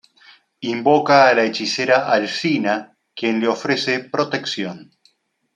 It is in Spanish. Invoca a la hechicera Alcina, quien le ofrece protección.